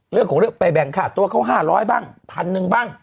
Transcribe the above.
เรื่องของเรื่องไปแบ่งค่าตัวเขา๕๐๐บ้างพันหนึ่งบ้าง